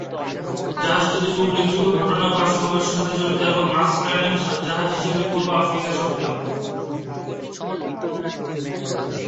জাহাজটি দুটি উল্লেখযোগ্য ঘটনা বা সংঘর্ষের সাথে জড়িত এবং মাস্ক লাইনের জাহাজ হিসেবে পূর্ব আফ্রিকায় সক্রিয়।